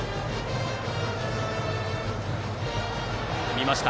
見ました。